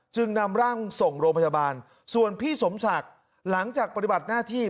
จึงนำร่างส่งโรงพยาบาลส่วนพี่สมศักดิ์หลังจากปฏิบัติหน้าที่